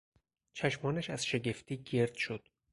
چشمانش از شگفتی گرد شد.